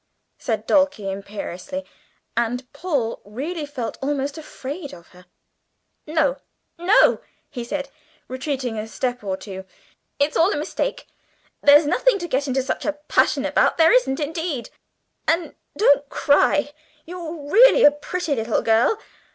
said Dulcie imperiously; and Paul really felt almost afraid of her. "No, no," he said, retreating a step or two, "it's all a mistake; there's nothing to get into such a passion about there isn't indeed! And don't cry you're really a pretty little girl.